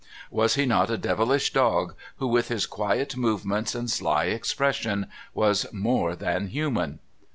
Was he not a devilish dog who, with, his quiet movements and sly expressions, was more than human?